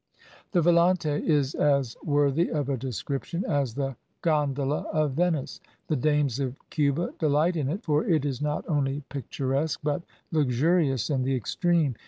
The volante is as worthy of a description as the gondola of Venice. The dames of Cuba delight in it, for it is not only picturesque, but luxurious in the extreme.